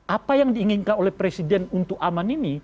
apa yang diinginkan oleh presiden untuk aman ini